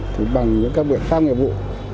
thì bằng những các biển pháp nghiệp vụ